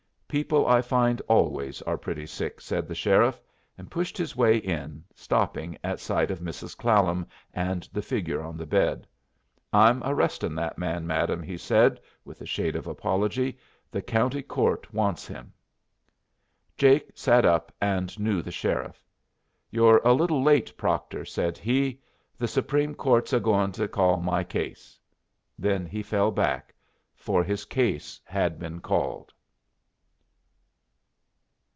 "People I find always are pretty sick," said the sheriff, and pushed his way in, stopping at sight of Mrs. Clallam and the figure on the bed. "I'm arresting that man, madam," he said, with a shade of apology. "The county court wants him." Jake sat up and knew the sheriff. "You're a little late, Proctor," said he. "The Supreme Court's a goin' to call my case." Then he fell back, for his case had been called.